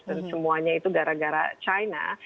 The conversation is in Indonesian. semuanya itu gara gara china